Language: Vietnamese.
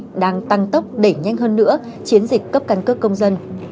bắc ninh đang tăng tốc đẩy nhanh hơn nữa chiến dịch cấp căn cướp công dân